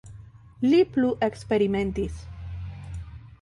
Li plu eksperimentis.